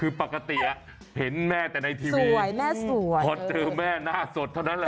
คือปกติเห็นแม่แต่ในทีวีเพราะเจอแม่หน้าสดเท่านั้น